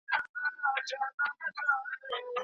هغې د ستونزو تر څنګ د شکر احساس هم له زړه نه ونه ويست.